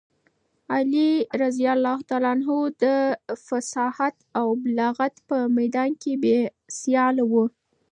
علي رض د فصاحت او بلاغت په میدان کې بې سیاله و.